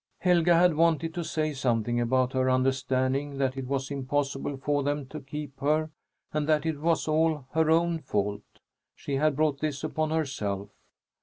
Helga had wanted to say something about her understanding that it was impossible for them to keep her and that it was all her own fault. She had brought this upon herself.